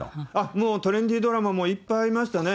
もうトレンディードラマもいっぱいありましたね。